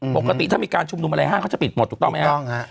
ปกติถ้ามีการชุมนุมอะไรห้างเขาจะปิดหมดถูกต้องไหมครับถูกต้องฮะ